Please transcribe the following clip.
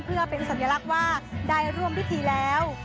เพื่อเป็นสัญลักษณ์ว่าได้ร่วมพิธีแล้ว